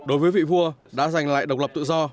đối với vị vua đã giành lại độc lập tự do